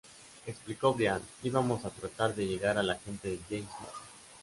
Explicó Brian: "Íbamos a tratar de llegar a la gente de James Bond.